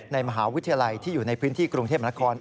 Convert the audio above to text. ในมหาวิทยาลัยที่อยู่ในพื้นที่กรุงเทพมนาคม